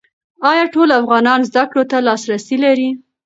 ایا ټول افغانان زده کړو ته لاسرسی لري؟